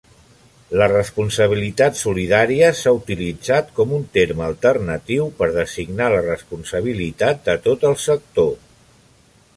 La responsabilitat solidària s'ha utilitzat com un terme alternatiu per designar la responsabilitat de tot el sector.